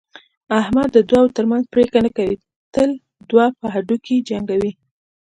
احمد د دوو ترمنځ پرېکړه نه کوي، تل دوه په هډوکي جنګوي.